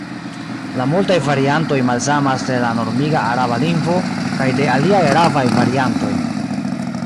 La multaj variantoj malsamas de la normiga araba lingvo kaj de aliaj arabaj variantoj.